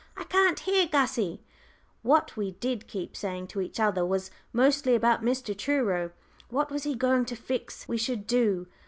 "I can't hear, Gussie!" What we did keep saying to each other was mostly about Mr. Truro. What was he going to fix we should do?